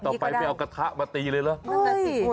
ต่อไปไม่เอากระทะมาตีเลยเหรอ